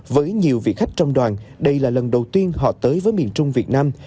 với nhiều vị khách trong đoàn đây là lần đầu tiên họ tới với miền trung việt nam